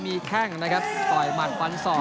มีแค่งต่อยหมัดควัน๒